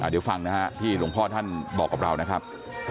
เดี๋ยวฟังนะฮะที่หลวงพ่อท่านบอกกับเรานะครับ